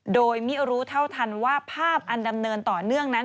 โดยมิรู้เท่าทันว่าภาพอันดำเนินต่อเนื่องนั้น